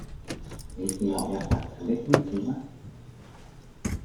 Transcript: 你是落入凡塵的天使嗎？